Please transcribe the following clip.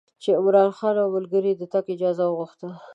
چې عمرا خان او ملګرو یې د تګ اجازه وغوښته.